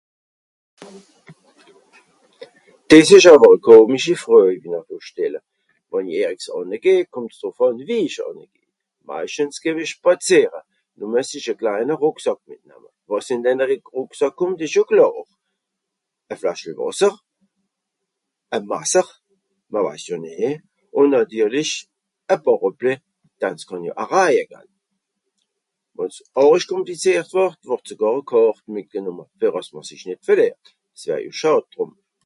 Dìs ìsch àwer e komischi Fröj, wo ìhr do stelle. Wenn i (...) ànnegeh (...) meischtens geh-w-i spàzìere. Nùmme es ìsch e kleine Rùcksàck mìtnamme. Wàs ìn denne Rùcksàck kùmmt ìsch jo klàr. E Flaschel Wàsser, e Masser, m'r weis jo nìe, ùn nàtirlich, e Bàràplì, da es kann jo aa raja gall ? Wann's àrisch komplizìert word, word sogàr e Kàrt mìtgenùmme, fer àss m'r sich nìt verlìert. Es wär jo schàd drùm.